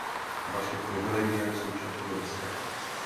Vaše privilegia jsou však obrovská.